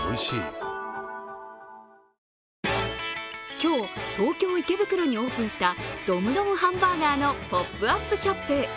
今日、東京・池袋にオープンしたドムドムハンバーガーのポップアップショップ。